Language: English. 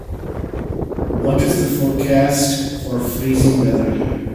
what is the forecast for freezing weather here